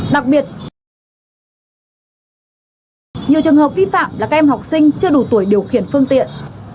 đặc biệt nhiều trường hợp vi phạm là các em học sinh chưa đủ tuổi điều khiển phương tiện